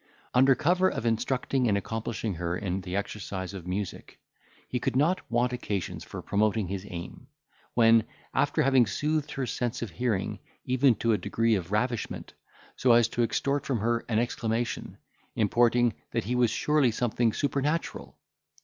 Under cover of instructing and accomplishing her in the exercise of music, he could not want occasions for promoting his aim; when, after having soothed her sense of hearing, even to a degree of ravishment, so as to extort from her an exclamation, importing, that he was surely something supernatural!